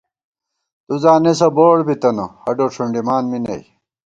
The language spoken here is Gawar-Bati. تُوزانېسہ بوڑ بِتَنہ ، ہڈو ݭُنڈِمان می نئ